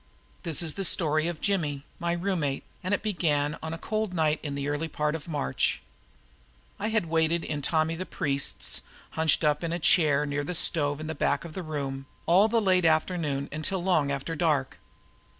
This is the story of Jimmy, my roommate, and it begins on a cold night in the early part of March. I had waited in Tommy the Priest's, hunched up on a chair near the stove in the back room, all the late afternoon until long after dark.